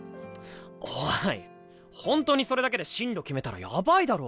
おい本当にそれだけで進路決めたらやばいだろ。